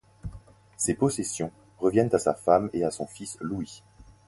Ses possessions reviennent à sa femme et à son fils Louis.